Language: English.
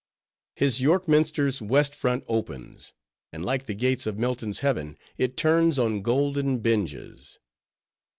His York Minster's West Front opens; and like the gates of Milton's heaven, it turns on golden hinges.